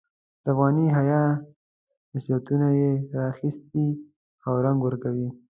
د افغاني حیا نصیحتونه یې را اخیستي او رنګ ورکوي.